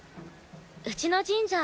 うちの神社